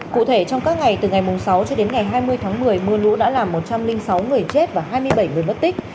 cụ thể trong các ngày từ ngày sáu cho đến ngày hai mươi tháng một mươi mưa lũ đã làm một trăm linh sáu người chết và hai mươi bảy người mất tích